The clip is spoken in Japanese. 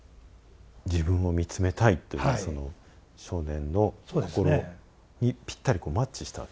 自分を見つめたいっていうその少年の心にぴったりマッチしたわけですね。